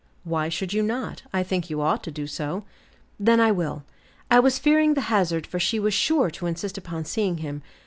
"Why should you not? I think you ought to do so." "Then I will; I was fearing the hazard for she is sure to insist upon seeing him.